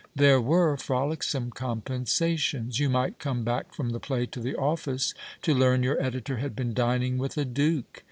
There were frolicsome compensations. You might come back from the play to the ofiicc to learn your editor had been dining with a duke.